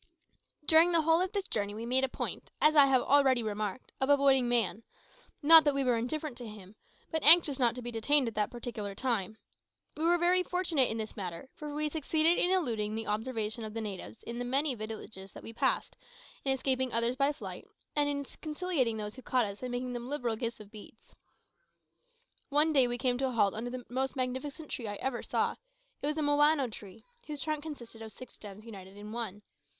During the whole of this journey we made a point, as I have already remarked, of avoiding man; not that we were indifferent to him, but anxious not to be detained at that particular time. We were very fortunate in this matter, for we succeeded in eluding the observation of the natives of many villages that we passed, in escaping others by flight, and in conciliating those who caught us by making them liberal gifts of beads. One day we came to a halt under the most magnificent tree I ever saw. It was a mowano tree, whose trunk consisted of six stems united in one.